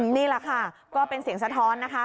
นี่แหละค่ะก็เป็นเสียงสะท้อนนะคะ